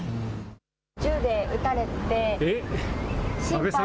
銃で撃たれて、心肺。